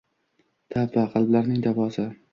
Tavba – qalblarning davosi